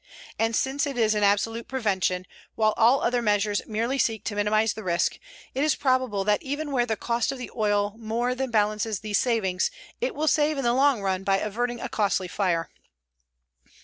And since it is an absolute prevention, while all other measures merely seek to minimize the risk, it is probable that even where the cost of the oil more than balances these savings it will save in the long run by averting a costly fire.